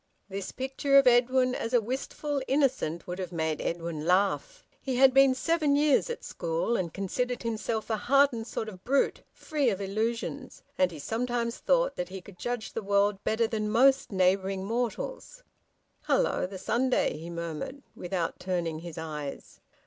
This picture of Edwin as a wistful innocent would have made Edwin laugh. He had been seven years at school, and considered himself a hardened sort of brute, free of illusions. And he sometimes thought that he could judge the world better than most neighbouring mortals. "Hello! The Sunday!" he murmured, without turning his eyes.